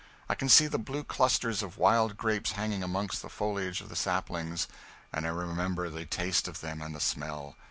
I can see the blue clusters of wild grapes hanging amongst the foliage of the saplings, and I remember the taste of them and the smell.